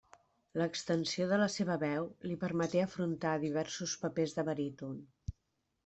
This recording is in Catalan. L'extensió de la seva veu li permeté afrontar diversos papers de baríton.